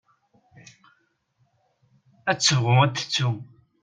Ad tebɣu ad tettu.